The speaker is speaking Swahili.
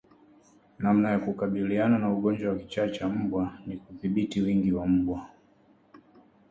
Namna ya kukabiliana na ugonjwa wa kichaa cha mbwa ni kudhibiti wingi wa mbwa